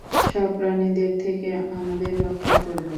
সব প্রাণীদের থেকে আমাদের রক্ষা করবে।